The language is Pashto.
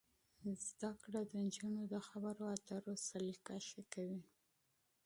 زده کړه د نجونو د خبرو اترو سلیقه ښه کوي.